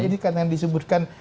ini kan yang disebutkan